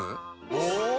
お！